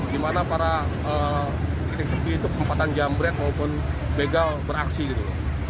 di mana para titik sepi itu kesempatan jambret maupun begal beraksi gitu